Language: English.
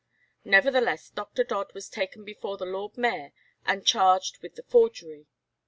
Nevertheless Dr. Dodd was taken before the Lord Mayor and charged with the forgery.